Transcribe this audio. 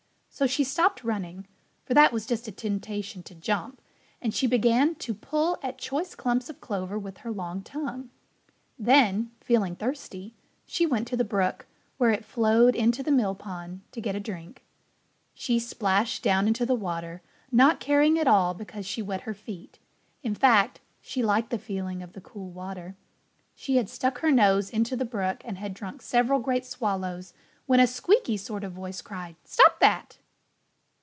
So she stopped running for that was just a temptation to jump; and she began to pull at choice clumps of clover with her long tongue. Then, feeling thirsty, she went to the brook, where it flowed into the mill pond, to get a drink. She splashed down into the water, not caring at all because she wet her feet. In fact, she liked the feeling of the cool water. She had stuck her nose into the brook and had drunk several great swallows when a squeaky sort of voice cried, "Stop that!"